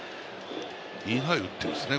インハイ打っているんですね